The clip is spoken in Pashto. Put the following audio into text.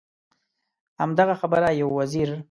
همدغه خبره یو وزیر.